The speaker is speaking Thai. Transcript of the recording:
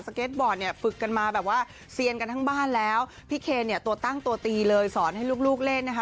เก็ตบอร์ดเนี่ยฝึกกันมาแบบว่าเซียนกันทั้งบ้านแล้วพี่เคนเนี่ยตัวตั้งตัวตีเลยสอนให้ลูกเล่นนะคะ